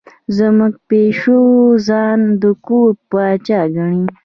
زموږ پیشو ځان د کور پاچا ګڼي.